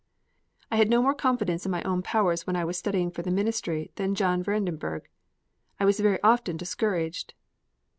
I had no more confidence in my own powers when I was studying for the ministry than John Vredenburgh. I was often very discouraged.